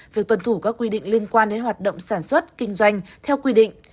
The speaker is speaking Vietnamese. việc tuần thủ các quy định liên quan đến hoạt động sản xuất kinh doanh theo quy định